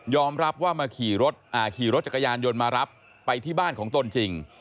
รับว่ามาขี่รถจักรยานยนต์มารับไปที่บ้านของตนจริง